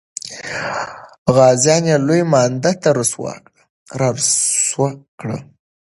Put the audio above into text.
غازیان لوی مانده ته را سوه کړه.